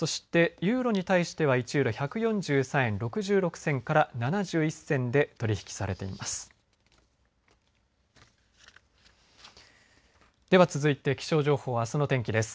そして、ユーロに対しては１ユーロ１４３円６６銭から７１銭で取り引きされています。